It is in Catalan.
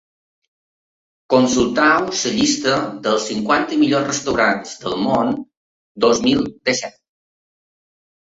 Consulteu la llista dels cinquanta millors restaurants del món dos mil disset.